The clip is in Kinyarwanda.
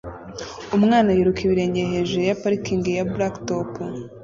Umwana yiruka ibirenge hejuru ya parikingi ya blacktop